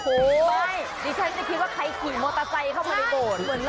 ไม่ดิฉันไม่คิดว่าใครขี่มอเตอร์ไซค์เข้ามาในโบสถ์